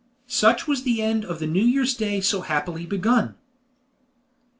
Such was the end of the New Year's Day so happily begun.